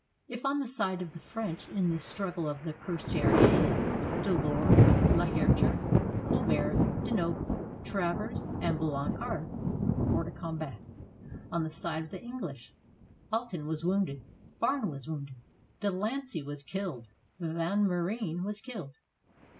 If, on the side of the French, in this struggle of the cuirassiers, Delord, I'Heriter, Colbert, Dnop, Travers, and Blan card were Jiors de combat, on the side of the English Alten was wounded, Barne was wounded, Delancey was killed, Van Meeren was killed.